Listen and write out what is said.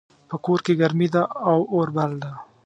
په کور کې ګرمي ده او اور بل ده